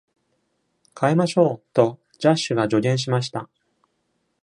「変えましょう」とジャシュが助言しました。